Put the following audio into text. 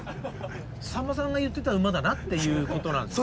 さんまさんが言ってた馬だなっていうことなんですね。